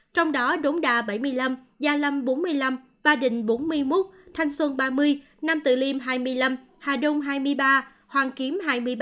trong đó đống đa bảy mươi năm gia lâm bốn mươi năm ba đình bốn mươi một thanh xuân ba mươi nam từ liêm hai mươi năm hà đông hai mươi ba hoàng kiếm hai mươi ba